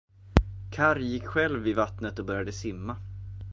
Karr gick själv i vattnet och började simma.